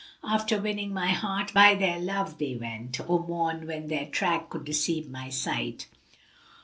After winning my heart by their love they went * O' morn when their track could deceive my sight.